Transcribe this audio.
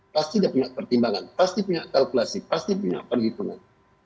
pasti dia punya pertimbangan pasti punya kalkulasi pasti punya perhitungan